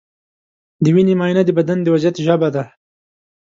د وینې معاینه د بدن د وضعیت ژبه ده.